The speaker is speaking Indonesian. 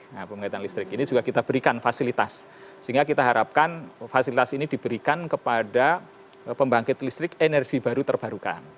nah pembangkitan listrik ini juga kita berikan fasilitas sehingga kita harapkan fasilitas ini diberikan kepada pembangkit listrik energi baru terbarukan